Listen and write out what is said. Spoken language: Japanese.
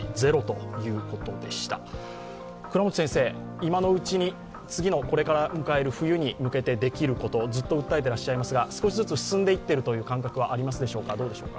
今のうちに次に迎える冬に向けできることずっと訴えてらっしゃいますが、少しずつ進んでいっているという感覚はありますか？